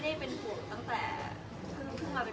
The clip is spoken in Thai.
แล้วอย่างนี้ความหมายของบอสของเต้าคืออะไร